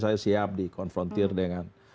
saya siap dikonfrontir dengan